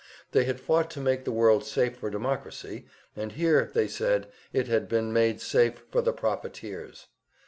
They had fought to make the world safe for democracy, and here, they said, it had been made safe for the profiteers.